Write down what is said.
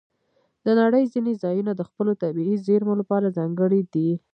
د نړۍ ځینې ځایونه د خپلو طبیعي زیرمو لپاره ځانګړي دي.